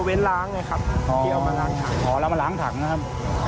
เอ้าล้างมาล้างถังนะครับ